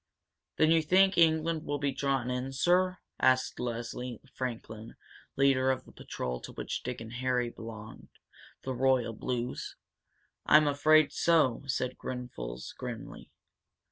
'Then you think England will be drawn in, sir?" asked Leslie Franklin, leader of the patrol to which Dick and Harry belonged, the Royal Blues. "I'm afraid so," said Grenfels grimly.